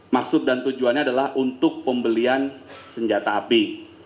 maksud dan tujuannya adalah untuk pembelian senjata api